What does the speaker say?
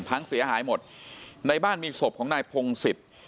พังเสียหายหมดในบ้านมีศพของนายพงศิษย์